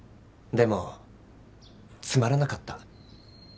でもつまらなかった。